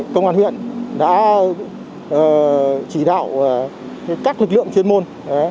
công an huyện đã chỉ đạo các lực lượng chuyên môn